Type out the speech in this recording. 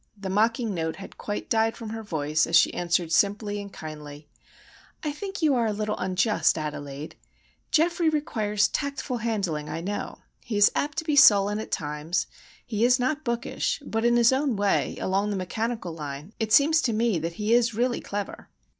The mocking note had quite died from her voice, as she answered simply and kindly,— "I think you are a little unjust, Adelaide. Geoffrey requires tactful handling, I know. He is apt to be sullen at times; he is not bookish; but in his own way, along the mechanical line, it seems to me that he is really clever."